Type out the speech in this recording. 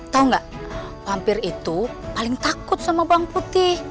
tahu nggak lampir itu paling takut sama bawang putih